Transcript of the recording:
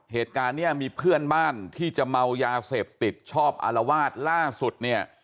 เหตุการณ์เนี่ยมีเพื่อนบ้านที่จะเมายาเสพติดชอบอารวาสล่าสุดเนี่ย